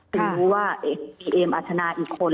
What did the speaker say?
รู้ว่าอีเอมอัธนาอีกคน